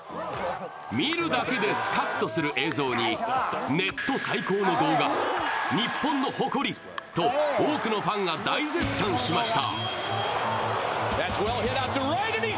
見るだけでスカッとする映像に、ネット最高の動画、日本の誇り！と多くのファンが大絶賛しました。